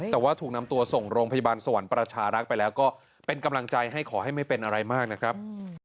แต่ว่าถูกนำตัวส่งโรงพยาบาลสวรรค์ประชารักษ์ไปแล้วก็เป็นกำลังใจให้ขอให้ไม่เป็นอะไรมากนะครับ